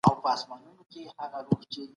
زه جملې لیکم.